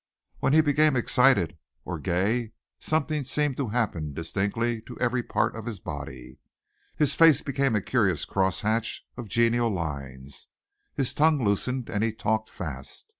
When he became excited or gay something seemed to happen distinctly to every part of his body. His face became a curious cross hatch of genial lines. His tongue loosened and he talked fast.